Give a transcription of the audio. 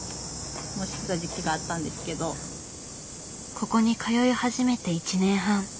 ここに通い始めて１年半。